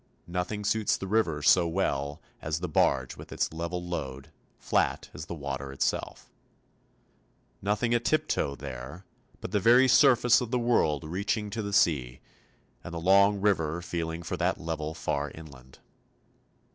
Nothing suits the river so well as the barge with its level load, flat as the water itself. Nothing a tiptoe there; but the very surface of the world reaching to the sea, and the long river feeling for that level far inland.